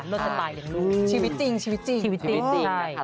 เลิกจะตายอย่างนู้นชีวิตจริงชีวิตจริงชีวิตจริงชีวิตจริงใช่